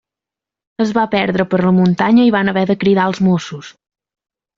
Es va perdre per la muntanya i van haver de cridar els Mossos.